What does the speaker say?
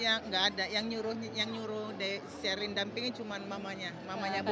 ya enggak ada yang nyuruh shirley mendampingi cuma mamanya mamanya bubi